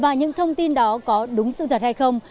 và những thông tin đó có đúng sự thật hay không